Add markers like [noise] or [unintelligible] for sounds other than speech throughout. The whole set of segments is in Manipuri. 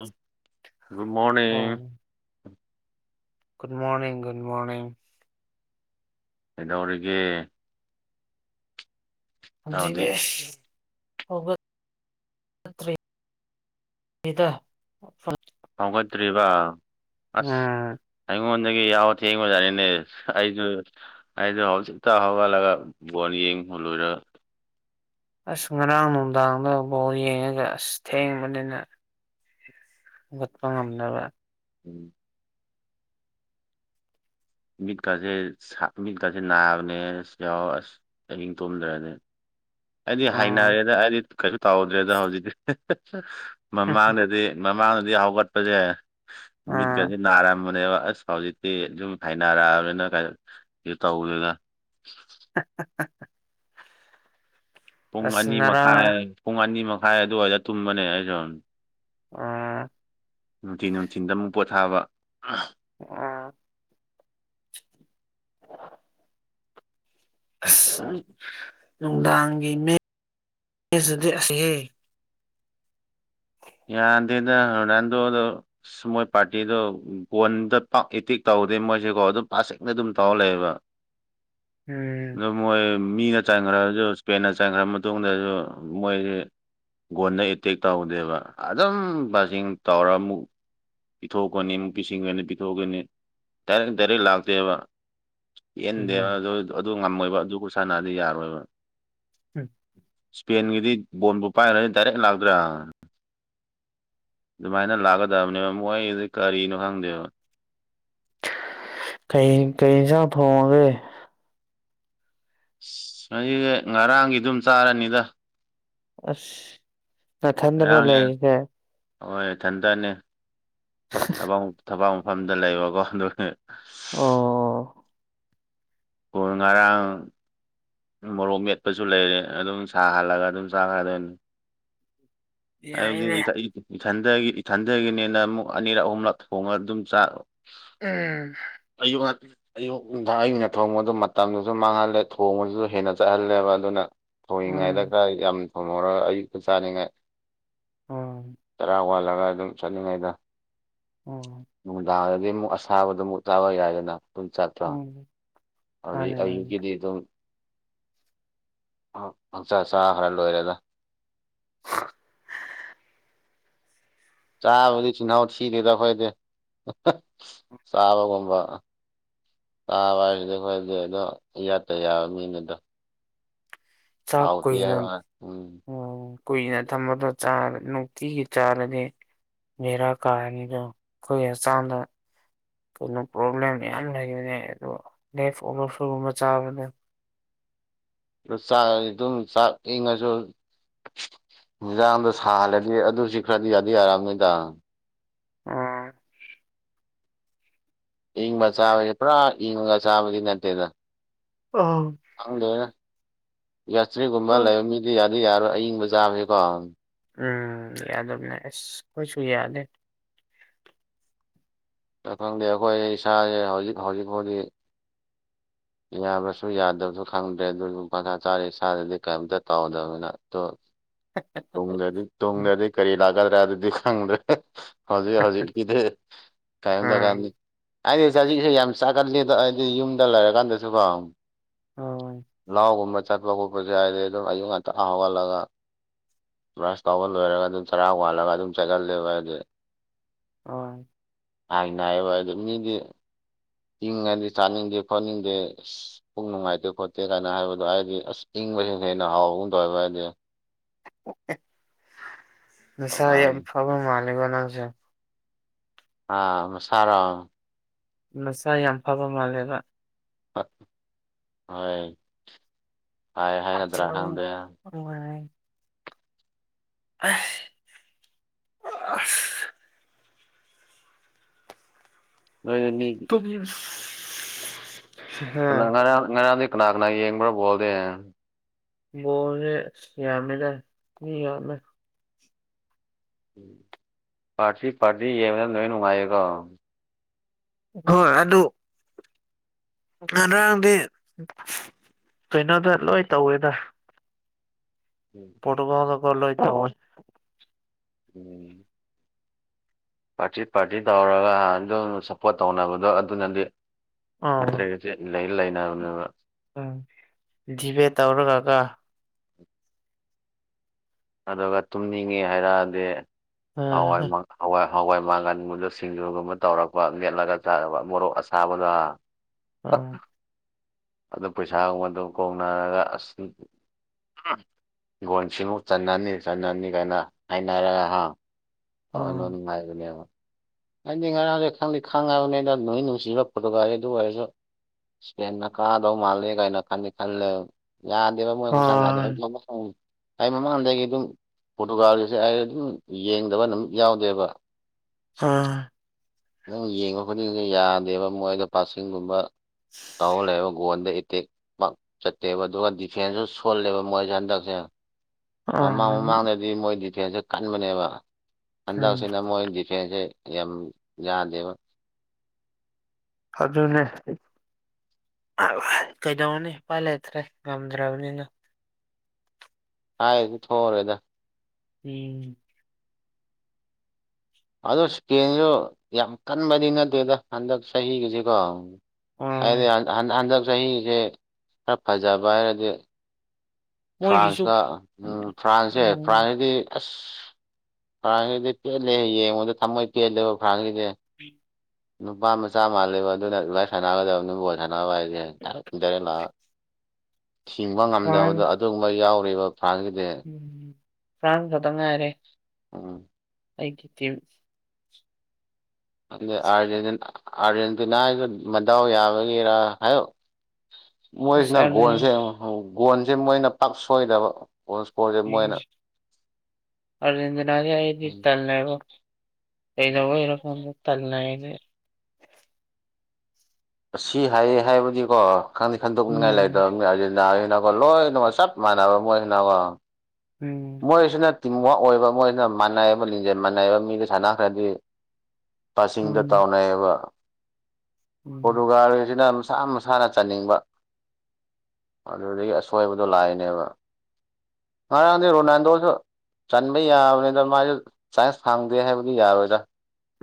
ꯎꯝ good morning good morning good morning ꯀꯩꯗꯧꯔꯤꯒꯦ ꯏꯇꯥꯎꯗꯤ ꯍꯟꯖꯤꯔꯤꯅꯦ ꯍ ꯠꯇ꯭ꯔꯤꯗ ꯐꯥꯎꯒꯠꯇ꯭ꯔꯤꯕ ꯑꯁ ꯑꯩꯉꯣꯟꯗꯒꯤ ꯌꯥꯎꯕ ꯊꯦꯡꯕꯖꯥꯅꯤꯅꯦ ꯑꯩꯁꯨ ꯍꯥꯏꯗꯣ ꯍꯧꯖꯤꯛꯇ ꯍꯧꯒꯠꯂꯒ ꯕꯣꯜ ꯌꯦꯡꯕ ꯂꯣꯏꯔꯒ ꯑꯁ ꯉꯔꯥꯡ ꯅꯨꯡꯗꯥꯡꯗꯐꯕꯥꯎ ꯌꯦꯡꯉꯒ ꯑꯁ ꯊꯦꯡꯕꯅꯤꯅ ꯍꯧꯒꯠꯄ ꯉꯝꯅꯕ ꯎꯝ ꯃꯤꯠꯀꯥꯁꯦ ꯁꯥ ꯃꯤꯠꯀꯥꯁꯦ ꯅꯥꯕꯅꯦ ꯑꯁ ꯌꯥꯎ ꯑꯁ ꯑꯍꯤꯡ ꯇꯨꯝꯗ꯭ꯔꯥꯗꯤ ꯑꯩꯗꯤ ꯎꯝ ꯍꯥꯏꯅꯔꯦꯗ ꯑꯩꯗꯤ ꯀꯩꯁꯨ ꯇꯧꯗ꯭ꯔꯦꯗ ꯍꯧꯖꯤꯛꯇꯤ ꯃꯃꯥꯡꯗꯗꯤ ꯃꯃꯥꯡꯗꯗꯤ ꯍꯧꯒꯠꯄꯁꯦ ꯎꯝ ꯃꯤꯠꯀꯁꯦ ꯅꯥꯔꯝꯕꯅꯦꯕ ꯑꯁ ꯍꯧꯖꯤꯛꯇꯤ ꯗꯨꯝ ꯍꯧꯅꯔꯛꯑꯕꯅꯤꯅ ꯀꯩꯁꯨ ꯇꯧꯗꯦꯗ [unintelligible] ꯄꯨꯡ ꯑꯁ ꯑꯅꯤ ꯉꯔꯥꯡ ꯃꯈꯥꯏ ꯄꯨꯡ ꯑꯅꯤ ꯃꯈꯥꯏ ꯑꯗꯨꯋꯥꯏꯗ ꯇꯨꯝꯕꯅꯦ ꯑꯩꯁꯨ ꯑ ꯅꯨꯡꯊꯤꯟ ꯅꯨꯡꯊꯤꯟꯗ ꯑꯃꯨꯛ ꯄꯣꯊꯥꯕ ꯑꯣ ꯑꯁ ꯅꯨꯡꯗꯥꯡꯒꯤ ꯃꯤꯠ [unintelligible] ꯌꯥꯗꯦꯗ ꯔꯣꯅꯥꯟꯗꯣꯗꯣ ꯑꯁ ꯃꯣꯏ ꯄꯥꯔꯇꯤꯗꯣ ꯕꯣꯟꯗ ꯄꯥꯛ ꯏꯇꯤꯛ ꯇꯧꯗꯦ ꯃꯣꯏꯁꯦꯀꯣ ꯑꯗꯨꯝ ꯄꯥꯁꯤꯡꯗ ꯑꯗꯨꯝ ꯇꯧꯔ ꯂꯩꯑꯦꯕ [unintelligible] ꯎꯝ ꯃꯣꯏ ꯃꯤꯅ ꯆꯟꯈ꯭ꯔꯁꯨ ꯏꯁꯄꯦꯟꯅ ꯆꯪꯈ꯭ꯔ ꯃꯇꯨꯡꯗꯁꯨ ꯃꯣꯏꯁꯤ ꯒꯣꯟꯗ ꯑꯦꯇꯦꯛ ꯇꯧꯗꯦꯕ ꯑꯗꯨꯝ ꯃꯁꯤꯡ ꯇꯧꯔ ꯑꯃꯨꯛ ꯄꯤꯊꯣꯛꯀꯅꯤ ꯑꯃꯨꯛ ꯄꯤꯁꯤꯟꯒꯅꯤ ꯄꯤꯊꯣꯛꯀꯣꯅꯤ ꯗꯥꯏꯔꯦꯛ ꯗꯥꯏꯔꯦꯛ ꯂꯥꯛꯇꯦꯕ ꯄꯦꯟꯗꯦꯕ ꯑꯗꯨ ꯑꯗꯨ ꯉꯝꯃꯣꯏꯕ ꯑꯗꯨ ꯈꯨꯁꯥꯟꯅꯗꯤ ꯌꯥꯔꯣꯏꯕ ꯍꯝ ꯏꯁꯄꯦꯟꯒꯤꯗꯤ ꯕꯣꯟꯜꯕꯨ ꯄꯥꯏꯒ꯭ꯔꯗꯤ ꯗꯥꯏꯔꯦꯛ ꯂꯥꯛꯇ꯭ꯔꯥ ꯑꯗꯨꯃꯥꯏꯅ ꯂꯥꯛꯀꯗꯕꯅꯦꯕ ꯃꯣꯏꯖꯤ ꯀꯔꯤꯅꯣ ꯈꯪꯗꯦꯕ ꯀꯩ ꯀꯩꯑꯦꯟꯖꯥꯡ ꯊꯣꯡꯉꯒꯦ ꯑꯩꯁꯦꯉꯔꯥꯡꯒꯤ ꯑꯗꯨꯝ ꯆꯥꯔꯅꯤꯗ ꯑꯁ ꯅꯊꯟꯗꯔꯣ ꯉꯔꯥꯡ ꯌꯦꯟ ꯂꯩꯔꯤꯁꯦ ꯍꯣꯏ ꯊꯟꯇꯅꯦ [unintelligible] ꯐꯝꯗ ꯂꯩꯕꯀꯣ ꯑꯗꯨꯅꯦ ꯑꯣ ꯀꯣꯜ ꯉꯔꯥꯡ ꯃꯣꯔꯣꯛ ꯃꯦꯠꯄꯁꯨ ꯂꯩꯔꯦ ꯑꯗꯨꯝ ꯁꯥꯍꯜꯂꯒ ꯑꯗꯨꯝ ꯆꯥꯔꯗꯣꯏꯅꯤ ꯌꯥꯏꯅꯦ [unintelligible] ꯏꯊꯟꯗꯒꯤ ꯏꯊꯟꯗꯒꯤꯅꯤꯅ ꯑꯃꯨꯛ ꯑꯅꯤꯔꯛ ꯑꯍꯨꯝꯔꯛ ꯊꯣꯡꯉ ꯑꯗꯨꯝ ꯆꯥꯔꯕ ꯎꯝꯍ ꯑꯌꯣ [unintelligible] ꯑꯌꯨꯛ ꯅꯨꯡꯗꯥꯡ ꯑꯩꯅ ꯊꯣꯡꯕꯗꯨ ꯃꯇꯝꯗꯨꯁꯨ ꯃꯥꯡꯍꯜꯂꯦ ꯊꯣꯡꯕꯁꯨ ꯍꯦꯟꯅ ꯆꯠꯍꯜꯂꯦꯕ ꯑꯗꯨꯅ ꯎꯝ ꯊꯣꯡꯉꯤꯉꯩꯏꯗ ꯈ ꯌꯥꯝ ꯊꯣꯡꯉꯧꯔꯒ ꯑꯌꯨꯛꯛꯇ ꯆꯥꯅꯤꯡꯉꯥꯏ [unintelligible] ꯆꯔꯥ ꯋꯥꯜꯂꯒ ꯑꯗꯨꯝ ꯆꯠꯅꯤꯡꯉꯩꯗ ꯑꯣ ꯅꯨꯡꯗꯥꯡꯗꯗꯤ ꯑꯃꯨꯛ ꯑꯁꯥꯕꯗꯨ ꯑꯃꯨꯛ ꯆꯥꯕ ꯌꯥꯏꯗꯅ ꯑꯗꯨꯝ ꯆꯠꯇ꯭ꯔꯣ ꯎꯝ ꯍꯧꯖꯤꯛ ꯃꯥꯅꯤ ꯃꯥꯅꯤ ꯑꯌꯨꯛꯀꯤꯗꯤ ꯑꯗꯨꯝ ꯄꯪꯆꯥ ꯆꯈ꯭ꯔꯥ ꯂꯣꯏꯔꯦꯗ ꯆꯥꯕꯗꯤ ꯆꯤꯟꯍꯥꯎ ꯊꯤꯗꯦꯗ ꯑꯈꯣꯏꯗꯤ ꯆꯥꯕꯒꯨꯝꯕ ꯆꯥꯕ ꯍꯥꯏꯁꯤꯗꯤ ꯑꯈꯣꯏꯗꯤ ꯑꯗꯣ ꯏꯌꯥꯠꯇ ꯌꯥꯕ ꯃꯤꯅꯤꯗꯣ ꯆꯥꯛ ꯀꯨꯏꯅ ꯍꯥꯏꯕ ꯎꯝ ꯑꯣ ꯀꯨꯏꯅ ꯊꯝꯝꯕꯗꯣ ꯆꯥꯔ ꯅꯨꯡꯇꯤꯒꯤ ꯆꯥꯔꯗꯤ ꯕꯦꯔꯥ ꯀꯥꯔꯅꯤꯅ [unintelligible] ꯀꯣꯟꯅ ꯄ꯭ꯔꯣꯕ꯭ꯂꯦꯝ ꯃꯌꯥꯝ ꯂꯩꯔꯤꯕꯅꯦ [unintelligible] ꯆꯥꯕꯅꯦ [unintelligible] ꯆꯥꯏ ꯑꯗꯨꯝ ꯆꯥꯛ ꯏꯪꯉꯁꯨ ꯌꯦꯟꯖꯥꯡꯗꯣ ꯁꯥꯍꯜꯂꯗꯤ ꯑꯗꯨꯁꯨ ꯈꯔꯗꯤ ꯌꯥꯗꯤ ꯌꯥꯔꯝꯅꯤꯗ ꯑꯣ ꯏꯪꯕ ꯆꯥꯕꯁꯦ ꯄꯨꯔꯥ ꯏꯪꯉ ꯆꯥꯕꯗꯤ ꯅꯠꯇꯦꯗ ꯑꯣ ꯈꯪꯗꯦꯗ ꯒ꯭ꯌꯥꯁꯇ꯭ꯔꯤꯒꯨꯝꯕ ꯂꯩꯕ ꯃꯤꯗꯤ ꯌꯥꯗꯤ ꯌꯥꯔꯣꯏ ꯑꯏꯪꯕ ꯆꯥꯕꯁꯤꯀꯣ ꯎꯝ ꯌꯥꯗꯕꯅꯦ ꯑꯁ ꯈꯣꯏꯁꯨ ꯌꯥꯗꯦ ꯑ ꯈꯪꯗꯦ ꯑꯩꯈꯣꯏ ꯏꯁꯥꯁꯦ ꯍꯧꯖꯤꯛ ꯍꯧꯖꯤꯛ ꯐꯥꯎꯗꯤ ꯌꯥꯕꯁꯨ ꯌꯥꯗꯕꯁꯨ ꯈꯪꯗ꯭ꯔꯦ ꯑꯗꯨ ꯄꯪꯁꯥ ꯆꯥꯔꯤ ꯏꯁꯥꯗꯗꯤ ꯀꯩꯝꯇ ꯇꯧꯗꯕꯅꯤꯅ ꯑꯗꯨ [inaudible] ꯍꯦ [unintelligible] ꯇꯨꯡꯗꯗꯤ ꯇꯨꯡꯗꯗꯤ ꯀꯔꯤ ꯂꯥꯛꯀꯗ꯭ꯔꯥ ꯑꯗꯨꯗꯤ ꯈꯪꯗ꯭ꯔꯦ ꯍꯧꯖꯤꯣꯏ ꯍꯧꯖꯤꯛ ꯀꯤꯗꯤ ꯎꯝ [unintelligible] ꯑꯩꯗꯤ ꯆꯖꯤꯛꯁꯨ ꯌꯥꯝ ꯆꯥꯛꯒꯠꯂꯤ ꯑꯗꯣ ꯑꯩꯗꯤ ꯌꯨꯝꯗ ꯂꯩꯔꯀꯥꯟꯗꯁꯨꯀꯣ ꯍꯣꯏ ꯂꯥꯎꯒꯨꯝꯕ ꯆꯠꯄ ꯈꯣꯠꯄꯁꯨ ꯑꯩꯗꯝ ꯑꯗꯨꯝ ꯑꯌꯨꯛ ꯉꯟꯇꯥ ꯍꯧꯒꯠꯂꯒ ꯕ꯭ꯔꯁ ꯇꯧꯕ ꯂꯣꯏꯔꯒ ꯑꯗꯨꯝ ꯆꯔꯥ ꯋꯥꯟꯂꯒ ꯑꯗꯨꯝ ꯆꯥꯒꯜꯂꯦꯕ ꯑꯩꯗꯤ [unintelligible] ꯍꯥꯏꯅ ꯅꯥꯏꯌꯦꯕ ꯑꯗꯨ ꯃꯤꯗꯤ ꯆꯤꯡꯉꯗꯤ ꯆꯥꯅꯤꯡꯗꯦ ꯈꯣꯠꯅꯤꯡꯗꯦ ꯑꯁ ꯄꯨꯛ ꯅꯨꯡꯉꯥꯏꯇꯦ ꯈꯣꯠꯇꯦ ꯀꯥꯏꯅ ꯍꯥꯏꯕꯗꯣ ꯍꯥꯏꯗꯤ ꯑꯁ ꯏꯪꯕꯁꯤꯅ ꯍꯦꯟꯅ ꯍꯥꯎꯕꯒꯨꯝ ꯇꯧꯑꯕ ꯑꯩꯗꯤ [unintelligible] ꯅꯁꯥ ꯌꯥꯝ ꯐꯕ ꯃꯥꯜꯂꯤꯀꯣ ꯅꯪꯁꯦ ꯑꯥ ꯃꯁꯥꯔꯣ ꯅꯁꯥ ꯌꯥꯝ ꯐꯕ ꯃꯥꯜꯂꯦꯕ ꯍꯣꯏ ꯐꯩ ꯍꯥꯏꯒꯗ꯭ꯔꯥ ꯍꯛꯆꯥꯡ ꯈꯪꯗꯦ [unintelligible] ꯑꯁ ꯑ ꯑꯁ ꯅꯣꯏꯗꯤ ꯃꯤ [unintelligible] ꯀꯅꯥ ꯉꯔꯥꯡ ꯉꯔꯥꯡꯗꯤ ꯀꯅꯥ ꯀꯅꯥ ꯌꯦꯡꯕ꯭ꯔꯥ ꯕꯣꯜꯗꯤ ꯕꯣꯜꯁꯦ ꯌꯥꯃꯦꯗ ꯃꯤ ꯌꯥꯝꯃꯦ ꯎ꯫ ꯄꯥꯔꯇꯤ ꯄꯥꯔꯇꯤ ꯌꯦꯡꯕꯗ ꯂꯣꯏ ꯅꯨꯡꯉꯥꯏꯌꯦꯀꯣ ꯍꯣꯏ ꯑꯗꯨ ꯉꯔꯥꯡꯗꯤ ꯀꯩꯅꯣꯗ ꯂꯣꯏ ꯇꯧꯋꯦꯗ ꯎꯝ [unintelligible] ꯂꯣꯏ ꯇꯧꯏ ꯎꯝ ꯄꯥꯔꯇꯤ ꯄꯥꯔꯇꯤ ꯇꯧꯔꯒ ꯑꯗꯨꯝ ꯁꯞꯄꯣꯔꯠ ꯇꯧꯅꯕꯗꯣ ꯑꯗꯨꯅꯗꯤ ꯑꯥ ꯇ꯭ꯔꯦ ꯂꯩ ꯂꯩꯅꯕꯅꯦꯕ ꯎꯝ ꯗꯤꯕꯦꯠ ꯇꯧꯔꯒꯀꯣ ꯑꯗꯨꯒ ꯇꯨꯝꯅꯤꯡꯉꯦ ꯍꯥꯏꯔꯛꯑꯗꯤ ꯑ ꯍꯋꯥꯏ ꯃꯪꯒꯟ ꯍꯋꯥꯏ ꯍꯋꯥꯏ ꯃꯥꯡꯒꯟꯒꯨꯝꯗ ꯁꯤꯡꯖꯨꯒꯨꯝꯕ ꯇꯧꯔꯛꯄ ꯅꯦꯠꯂꯒ ꯆꯥꯕ ꯃꯣꯔꯣꯛ ꯑꯁꯥꯕꯗꯣ ꯑ ꯑꯗꯨ ꯄꯩꯁꯥꯒꯨꯝꯕ ꯑꯗꯨ ꯀꯣꯡꯅꯔꯒ ꯑꯁ ꯍꯤꯡꯒꯣꯟꯁꯤꯃꯨꯛ ꯆꯟꯅꯅꯤ ꯆꯟꯅꯤ ꯀꯥꯏꯅ ꯍꯥꯏꯔꯒ ꯍꯥ ꯑꯗꯣ ꯑ ꯅꯨꯉꯥꯏꯕꯅꯦꯕ ꯑꯩꯗꯤ ꯉꯔꯥꯡꯁꯦ ꯈꯪꯗꯦ ꯈꯪꯉꯕꯅꯤꯅꯗ ꯅꯣꯏ ꯅꯨꯡꯁꯤꯕ [unintelligible] ꯑꯗꯨ ꯑꯣꯏꯔꯁꯨ ꯏꯁꯟꯅ ꯀꯥꯗꯧ ꯃꯥꯜꯂꯦ ꯀꯥꯏꯅ ꯈꯟꯗꯤ ꯈꯜꯂꯦ ꯌꯥꯗꯦꯕ ꯃꯣꯏꯈ ꯈꯨꯁꯥꯟꯅꯗꯣ ꯎꯝ ꯑꯩ ꯃꯃꯥꯡꯗꯒꯤ ꯑꯗꯨꯝ ꯄꯣꯇꯣꯒ꯭ꯔꯥꯟꯁꯦ ꯑꯩ ꯑꯗꯨꯝ ꯌꯦꯡꯗꯕ ꯅꯨꯃꯤꯠ ꯌꯥꯎꯗꯦꯕ ꯑꯥ ꯑꯗꯨꯝ ꯌꯦꯡꯕ ꯈꯨꯗꯤꯡꯗ ꯌꯥꯗꯦꯕ ꯃꯣꯏꯗꯣ ꯄꯥꯁꯤꯡꯒꯨꯝꯕ ꯇꯧ ꯂꯩꯕ ꯒꯣꯟꯗ ꯑꯦꯇꯦꯛ ꯃꯛ ꯆꯠꯇꯦꯕ ꯑꯗꯨꯒ ꯗꯤꯐꯦꯟꯁꯁꯨ ꯁꯣꯜꯂꯦꯕ ꯃꯣꯏꯁꯦ ꯍꯟꯗꯛꯁꯦ ꯃꯃꯥꯡ ꯎꯝ ꯃꯃꯥꯡꯗꯗꯤ ꯃꯣꯏ ꯗꯤꯇꯦꯜꯁꯦ ꯀꯟꯕꯅꯦꯕ ꯍꯟꯗꯛꯁꯤꯅ ꯃꯣꯏ ꯗꯤꯐꯦꯟꯁꯦ ꯌꯥꯝ ꯌꯥꯗꯦꯕ ꯍꯧ ꯑꯗꯨꯅꯦ ꯀꯩꯗꯧꯅꯤ ꯏꯐꯥꯏ ꯂꯩꯇ꯭ꯔꯦ ꯉꯝꯗ꯭ꯔꯕꯅꯤꯅ ꯍꯥꯏꯗꯤ ꯊꯣꯡꯎꯔꯦꯗ ꯎꯝ ꯑꯗꯨ ꯏꯁꯀꯦꯟꯁꯨ ꯌꯥꯝ ꯀꯟꯕꯗꯤ ꯅꯠꯇꯦꯗ ꯍꯟꯗꯛ ꯆꯍꯤꯒꯤꯁꯤꯀꯣ ꯑ ꯍꯥꯏꯗꯤ ꯍꯟꯗꯛ ꯆꯍꯤꯁꯦ ꯈꯔ ꯐꯖꯕ ꯍꯥꯏꯔꯗꯤ ꯃꯣꯏꯒꯤꯁꯨ ꯐ꯭ꯔꯥꯟꯁꯇ ꯎꯝ ꯐ꯭ꯔꯥꯟꯁꯁꯦ ꯎꯝ ꯐ꯭ꯔꯥꯟꯁꯀꯤꯗꯤ ꯑꯁ ꯐꯔꯥꯟꯁꯤꯗꯤ ꯄꯦꯜꯂꯦ ꯌꯦꯡꯉꯨꯗ ꯊꯝꯃꯣꯏ ꯄꯦꯜꯂꯦꯕ ꯐꯔꯥꯟꯁꯤꯗꯤ ꯎ ꯅꯨꯄꯥ ꯃꯆꯥ ꯃꯥꯜꯂꯦꯕ ꯑꯗꯨꯅ ꯏꯚꯥꯏ ꯁꯥꯟꯅꯒꯗꯕ ꯅꯨꯕꯨꯣꯠ ꯁꯥꯟꯅꯕ ꯍꯥꯏꯁꯦ ꯏꯇꯔꯦꯠ ꯂꯥꯛ ꯤꯡꯕ ꯐ꯭ꯔꯥꯟꯁ ꯉꯝꯗꯕꯗꯣ ꯑꯗꯨꯒꯨꯝꯕ ꯌꯥꯎꯔꯤꯕ ꯐꯥꯝꯒꯤꯗꯤ ꯎꯝ ꯐ꯭ꯔꯥꯟꯁ ꯈꯛꯇ ꯉꯥꯏꯔꯦ ꯎꯝ ꯑꯩꯒꯦꯇꯦ ꯑꯗ ꯑꯥꯔꯖꯦꯟꯇꯤꯅꯥꯒ ꯃꯗꯥꯎ ꯌꯥꯕꯒꯤꯔꯥ ꯍꯥꯏꯌꯣ ꯑꯁ ꯃꯣꯏꯁꯤꯅ ꯑꯥꯔꯖꯦꯟ ꯒꯣꯟꯁꯦ ꯒꯣꯟꯁꯦ ꯃꯣꯏꯅ ꯄꯥꯛ ꯁꯣꯏꯗꯕ ꯏꯁꯣꯔ ꯑꯔꯖꯦꯟꯗꯅꯥꯒꯤꯗꯤ ꯇꯂꯕ ꯀꯗ ꯏꯔꯀꯣ ꯇꯜꯅꯗꯤ ꯁꯤ ꯍꯥꯏꯌꯦ ꯍꯥꯏꯕꯗꯤꯀꯣ ꯈꯪꯗꯦ ꯈꯟꯗꯣꯛꯅꯤꯡꯉꯥꯏ ꯎꯝ ꯂꯩꯗꯕ ꯑꯣ ꯂꯣꯏꯅ ꯃꫭꯏ ꯆꯞ ꯃꯥꯟꯅꯅꯕ ꯃꯣꯏ ꯒꯤꯅꯉꯣ ꯎꯝ ꯃꯣꯏꯁꯤꯅ ꯇꯤꯝꯋꯥꯛ ꯑꯣꯏꯕ ꯃꯣꯏꯁꯤꯅ ꯃꯥꯟꯅꯩ ꯑꯃ ꯂꯤꯡꯖꯩ ꯃꯥꯟꯅꯩꯕ ꯃꯤꯗ ꯁꯥꯟꯅꯈ꯭ꯔꯗꯤ ꯀꯆꯤꯡꯗ ꯎꯝ ꯇꯥꯎꯅꯩꯑꯌꯦꯕ ꯎꯝ ꯄꯣꯔꯇꯨꯒꯥꯜꯁꯤꯅ ꯃꯁꯥ ꯃꯁꯥ ꯁꯥꯟꯅ ꯆꯥꯅꯤꯡꯕ ꯑꯗꯨꯗꯒꯤ ꯑꯁꯣꯏꯕꯗꯣ ꯂꯥꯛꯏꯅꯦꯕ ꯉꯥꯡ ꯃꯥꯗꯤ ꯔꯣꯅꯥꯜꯗꯣꯁꯨ ꯆꯟꯕ ꯌꯥꯕꯅꯤꯗ ꯃꯥꯁꯨ ꯁꯥꯏꯟꯁ ꯐꯥꯡꯗꯦ ꯍꯥꯏꯕꯗꯤ ꯌꯥꯔꯣꯏꯗ꯭ꯔꯥ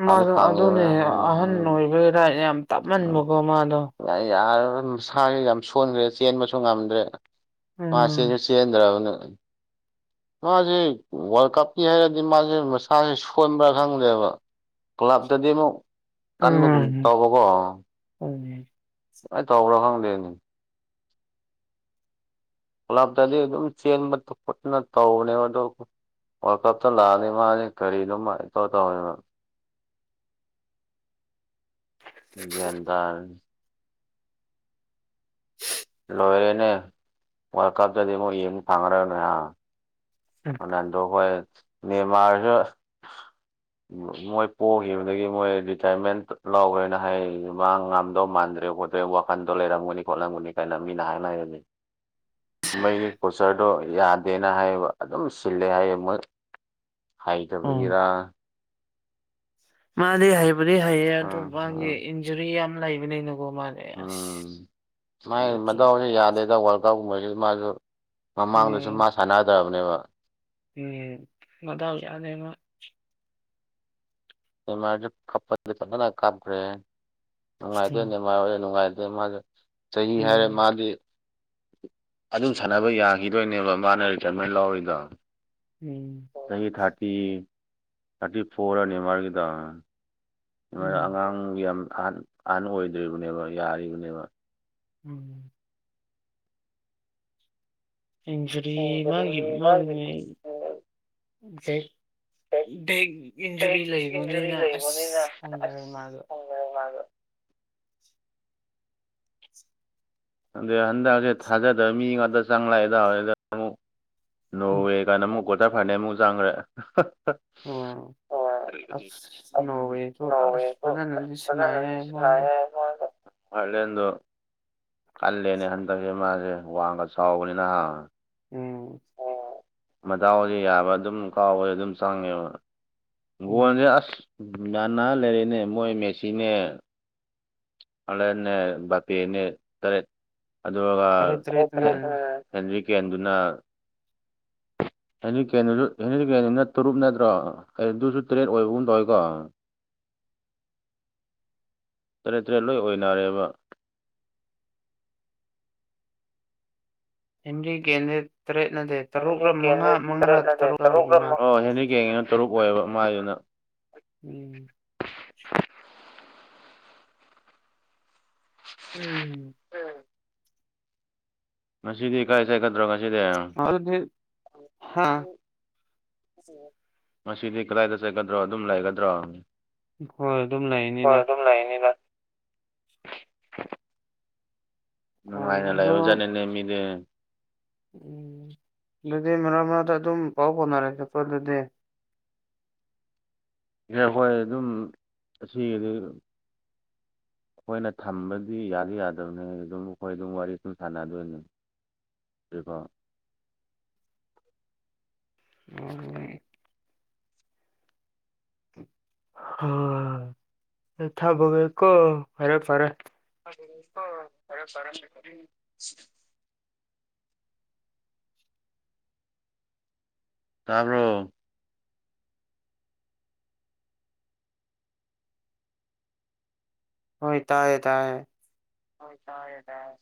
ꯃꯥꯗꯣ ꯑꯗꯨꯅꯦ ꯑꯍꯟ ꯑꯣꯏꯕꯒꯤ ꯔꯥꯏꯠ ꯌꯥꯝ ꯇꯞꯃꯟꯕꯀꯣ ꯃꯥꯗꯣ ꯌꯥ ꯁꯥꯁꯨ ꯌꯥꯝ ꯁꯣꯟꯈ꯭ꯔꯦ ꯆꯦꯟꯕꯁꯨ ꯉꯝꯗ꯭ꯔꯦ ꯃꯥꯁꯤ ꯎꯝ ꯆꯦꯟꯁꯨ ꯆꯦꯟꯗ꯭ꯔꯕꯅꯦ ꯃꯥꯁꯦ ꯋꯥꯔꯜ ꯀꯞꯀꯤ ꯍꯥꯏꯔꯗꯤ ꯃꯥꯁꯦ ꯃꯁꯥꯁꯦ ꯁꯣꯟꯕ꯭ꯔꯥ ꯈꯪꯗꯦꯕ ꯀ꯭ꯂꯞꯇꯗꯤ ꯑꯃꯨꯛ ꯀꯟꯕꯒꯨꯝ ꯎꯝ ꯇꯧꯕꯀꯣ ꯎꯝ ꯑꯩ ꯇꯧꯕ꯭ꯔꯣ ꯈꯪꯗꯦꯅꯦ ꯄꯨꯂꯥꯞꯇꯗꯤ ꯑꯗꯨꯝ ꯆꯦꯟꯕ ꯈꯣꯠꯇꯅ ꯇꯧꯕꯅꯦꯕ ꯑꯗꯣ ꯋꯥꯔꯜ ꯀꯞꯇ ꯂꯥꯛꯑꯅꯤ ꯃꯥꯅꯤ ꯀꯔꯤꯅꯣ ꯇꯧ ꯇꯧꯅꯤ ꯃ ꯗ ꯍ ꯂꯣꯏꯔꯦꯅꯦ ꯋꯥꯔ ꯀꯞꯇꯗꯤ ꯑꯃꯨꯛ ꯌꯦꯡ ꯑꯃꯨꯛ ꯊꯥꯡꯅꯈ꯭ꯔꯒꯅꯦ ꯑꯥ ꯗꯣ ꯍꯈꯣꯏ ꯃꯦꯟꯃꯥꯔꯁꯨ ꯃꯣꯏ ꯄꯣꯛꯈꯤꯕꯗꯒꯤ ꯃꯣꯏ ꯔꯤꯇꯥꯌꯔꯃꯦꯟ ꯂꯥꯎꯈ꯭ꯔꯦꯅ ꯍꯥꯏ ꯃꯥ ꯉꯝꯗꯧ ꯃꯥꯟꯗ꯭ꯔꯦ ꯈꯣ ꯋꯥꯈꯟꯗꯣ ꯂꯩꯔꯝꯒꯅꯤ ꯈꯣꯠꯂꯝꯒꯅꯤ ꯀꯥꯏꯅ ꯃꯤꯅ ꯍꯥꯏꯅ ꯂꯩꯔꯅꯤ ꯃꯣꯏꯒꯤ ꯀꯣꯆꯔꯗꯣ ꯌꯥꯗꯦꯅ ꯍꯥꯏꯌꯦꯕ ꯑꯗꯨꯝ ꯁꯤꯜꯂꯦ ꯍꯥꯏꯌꯦ ꯃꯣꯏ ꯎꯝ ꯍꯥꯏꯇꯕꯒꯦꯔ ꯃꯥꯗꯤ ꯍꯩꯕꯨꯗꯤ ꯍꯩꯌꯦ ꯑꯣ ꯎꯝ ꯃꯥꯒꯤ ꯎꯝ ꯏꯟꯖꯨꯔꯤ ꯌꯥꯝ ꯂꯩꯕꯅꯤꯅꯀꯣ ꯃꯥꯗꯤ ꯑꯁ ꯎꯝ ꯃꯥꯥꯏ ꯃꯗꯥꯎꯁꯨ ꯌꯥꯗꯦꯗ ꯋꯥꯔꯜꯀꯞꯀꯨꯝꯕꯁꯤ ꯃꯥꯁꯨ ꯃꯃꯥꯡꯗꯁꯨ ꯎꯝ ꯃꯥ ꯁꯥꯟꯅꯗ꯭ꯔꯕꯅꯦꯕ ꯎꯝ ꯃꯗꯥ ꯌꯥꯗꯃ ꯀꯄ ꯀꯥꯞꯗ꯭ꯔꯦꯅꯨꯡꯉꯥꯏꯗ ꯎꯝ ꯅꯨꯡꯉꯥꯏ ꯅꯨꯡꯉꯥꯏꯇꯦ ꯃꯥꯁꯦ ꯆꯍꯤ ꯎꯝ ꯍꯥꯏꯔꯦ ꯃꯥꯗꯤ ꯑꯗꯨꯝ ꯁꯥꯟꯅꯕ ꯌꯥꯈꯤꯗꯣꯏꯅꯦꯕ ꯃꯥꯅ ꯔꯤꯇꯔꯃꯦꯟ ꯂꯧꯔꯤꯗꯣ ꯎꯝ ꯅꯪꯒꯤ ꯊꯥꯔꯇꯤ ꯊꯥꯔꯇꯤ ꯐꯣꯔ ꯔꯅꯦ ꯃꯥꯒꯤꯗꯣ ꯅꯣꯢ ꯎꯝ ꯑꯉꯥꯡ ꯌꯥꯝ ꯑꯍꯥꯟ ꯑꯣꯏꯗ꯭ꯔꯤꯕꯅꯦꯕ ꯌꯥꯔꯤꯕꯅꯦꯕ ꯎꯝ ꯌꯦꯡꯖꯔꯤ ꯏꯃꯥꯒꯤ ꯃꯥꯒꯤ [unintelligible] ꯖꯦ ꯕꯦꯛ ꯏꯟꯖꯨꯔꯤ ꯕꯦꯛ ꯂꯩꯕꯅꯤꯅ ꯑꯁ ꯐꯪꯖꯔꯦ ꯃꯥꯗꯨ ꯐꯪꯖꯔꯦ ꯃꯥꯖꯨ ꯑꯗꯨꯗꯩ ꯍꯟꯗꯛꯁꯦ ꯊꯥꯖꯗꯕ ꯃꯤ ꯉꯥꯛꯇ ꯆꯪ ꯂꯥꯛꯑꯦꯗꯗ ꯑꯃꯨꯛ ꯎꯝ ꯅꯣꯋꯦ ꯀꯥꯢꯅ ꯑꯃꯨꯛ ꯀ꯭ꯋꯥꯇꯔ ꯐꯥꯢꯅꯦꯜ ꯑꯃꯨꯛ ꯆꯥꯡꯈ꯭ꯔꯦ ꯑꯣ ꯅꯣꯔꯋꯦ ꯑꯁ ꯁꯨ ꯐꯖꯅꯗꯤ ꯁꯥꯟꯅꯩꯌꯦ ꯐꯖꯅꯗꯤ ꯃꯣꯏꯗꯣ ꯁꯥꯅꯩꯌꯦ ꯍꯂꯦꯟ ꯗꯨ ꯀꯜꯂꯦꯅꯦ ꯍꯟꯗꯛꯁꯦ ꯃꯥꯁꯦ ꯋꯥꯡꯒ ꯆꯥꯎꯕꯅꯤꯅ ꯍꯥ ꯎꯝ ꯃꯗꯥꯎꯁꯦ ꯌꯥꯕ ꯑꯗꯨꯝ ꯀꯥꯎꯕꯗ ꯑꯗꯨꯝ ꯆꯪꯉꯦꯕ ꯎꯝ ꯒꯣꯟꯁꯦ ꯑꯁ ꯌꯥꯟꯅ ꯂꯩꯔꯦꯅꯦ ꯃꯣꯏ ꯃꯦꯁꯤꯅꯦ ꯍꯂꯟꯅꯦ ꯕꯥꯄꯦꯅꯦ ꯇꯔꯦꯠ ꯑꯗꯨꯒ ꯇꯔꯦꯠ ꯇꯔꯦꯠ ꯎꯝ [unintelligible] ꯍꯦꯔꯤꯀꯦꯟꯗꯨꯅ ꯍꯦꯔꯤꯀꯦꯟꯗꯨꯁꯨ ꯍꯦꯔꯤꯀꯦꯟ ꯇꯔꯨꯨꯞ ꯅꯠꯇ꯭ꯔꯣ ꯑꯗꯨꯁꯨ ꯇꯔꯦꯠ ꯑꯣꯏꯕꯒꯨꯝ ꯇꯧꯋꯤꯀꯣ ꯇꯔꯦꯠ ꯇꯔꯦꯠ ꯂꯣꯏ ꯑꯣꯏꯅꯔꯦꯕ ꯍꯦꯅꯔꯤ ꯀꯦꯟꯗꯤ ꯇꯔꯦꯠ ꯅꯠꯇꯦ ꯍꯦꯅꯔꯤ ꯇꯔꯨꯛꯔ ꯀꯦꯟ ꯃꯉꯥ ꯗꯤ ꯃꯉꯥꯔ ꯇꯔꯦꯠ ꯅꯠꯇ꯭ꯔꯦ ꯇꯔꯨꯛꯔ ꯇꯔꯨꯛ ꯑꯣꯏꯕꯅꯤ ꯂꯛ ꯃꯥ ꯍꯦꯅꯔꯤ ꯀꯦꯟꯗꯤ ꯇꯔꯨꯛ ꯑꯣꯏꯌꯦꯕ ꯃꯥꯥꯏꯗꯨꯅ ꯎꯝ ꯎꯝ ꯎꯝ ꯁꯤꯗꯤ ꯀꯥꯏ ꯆꯠꯀꯗ꯭ꯔ ꯉꯁꯤꯗꯤ ꯑꯗꯨꯗꯤ ꯍꯥ ꯉꯁꯤꯗꯤ ꯀꯗꯥꯏꯗ ꯆꯠꯀꯗ꯭ꯔꯣ ꯑꯗꯨꯝ ꯂꯩꯒꯗ꯭ꯔꯣ ꯍꯣꯏ ꯑꯗꯨꯝ ꯂꯩꯅꯤꯗ ꯑꯗꯨꯨꯝ ꯂꯩꯥꯅꯤꯗ ꯎꯝ ꯅꯨꯡꯉꯥꯏꯅ ꯑꯗꯣ ꯂꯩꯔꯖꯠꯅꯤꯅꯦ ꯃꯤꯗꯤ ꯎꯝ ꯑꯗꯨꯗꯤ ꯃꯔꯛ ꯃꯔꯛꯗ ꯑꯗꯨꯝ ꯄꯥꯎ ꯐꯥꯎꯅꯔꯁꯤꯀꯣ ꯑꯗꯨꯗꯤ ꯏꯌ ꯍꯣꯏ ꯑꯗꯨꯝ ꯉꯁꯤꯒꯤꯗꯤ ꯑꯈꯣꯏꯅ ꯊꯝꯕꯗꯤ ꯌꯥꯗꯤ ꯌꯥꯗꯕꯅꯦ ꯑꯗꯨꯝ ꯑꯈꯣꯏ ꯑꯗꯨꯝ ꯋꯥꯔꯤ ꯑꯗꯨꯝ ꯁꯥꯟꯅꯗꯣꯏꯅꯦ ꯑꯗꯨꯀꯣ ꯎꯝ ꯍ ꯊꯝꯃꯒꯦꯀꯣ ꯐꯔꯦ ꯐꯔꯦ ꯍ ꯊꯝꯃꯒꯦꯀꯣ ꯐꯔꯦ ꯐꯔꯦ ꯇꯥꯕꯔꯣ ꯍꯣꯏ ꯇꯥꯏꯌꯦ ꯇꯥꯏꯌꯦ ꯍꯣꯏ ꯇꯥꯏꯌꯦ ꯇꯥꯏꯌꯦ